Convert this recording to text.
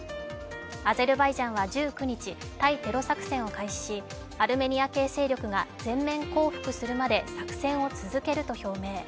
アゼルバイジャンは１９日、対テロ作戦を開始しアルメニア系勢力が全面降伏するまで作戦を続けると表明。